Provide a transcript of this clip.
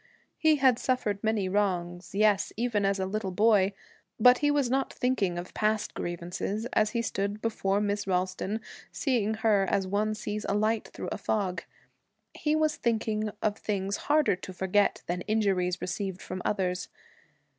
He had suffered many wrongs, yes, even as a little boy, but he was not thinking of past grievances as he stood before Miss Ralston, seeing her as one sees a light through a fog. He was thinking of things harder to forget than injuries received from others.